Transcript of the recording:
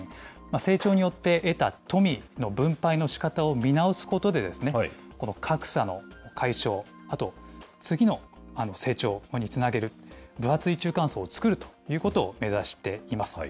成長によって得た富の分配のしかたを見直すことで、この格差の解消、あと次の成長につなげる、分厚い中間層を作るということを目指しています。